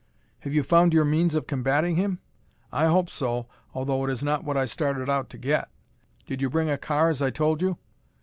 "Have you found your means of combating him?" "I hope so, although it is not what I started out to get. Did you bring a car as I told you?"